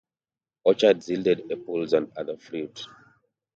Orchards yielded apples and other fruit.